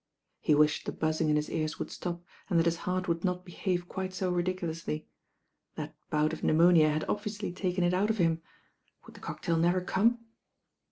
He wished the buzzing in his ears would stop, and that his heart would not behave quite so ridiculously. That bout of pneumonia had obviously taken it out of him. Would the cocktail never come